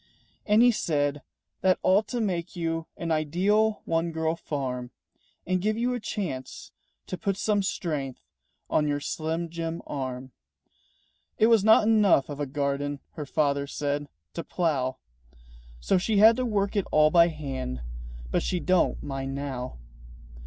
And he said, "That ought to make you An ideal one girl farm, And give you a chance to put some strength On your slim jim arm." It was not enough of a garden, Her father said, to plough; So she had to work it all by hand, But she don't mind now.